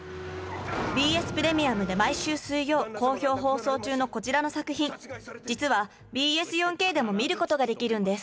ＢＳプレミアムで毎週水曜好評放送中のこちらの作品実はＢＳ４Ｋでも見ることができるんです